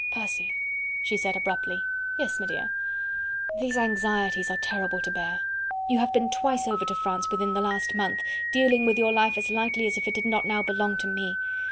"Percy," she said abruptly. "Yes, m'dear." "These anxieties are terrible to bear. You have been twice over to France within the last month, dealing with your life as lightly as if it did not now belong to me.